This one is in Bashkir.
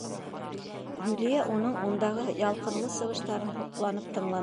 Юлия уның ундағы ялҡынлы сығыштарын һоҡланып тыңланы.